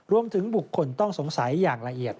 รวมถึงบุคคลต้องสงสัยอย่างละเอียด